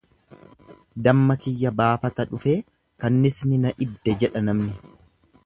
Damma kiyya baafata dhufee kanniisni na idde jedha namni.